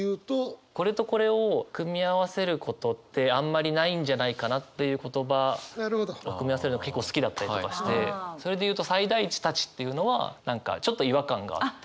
これとこれを組み合わせることってあんまりないんじゃないかなという言葉を組み合わせるのが結構好きだったりとかしてそれで言うと「最大値たち」っていうのは何かちょっと違和感があって。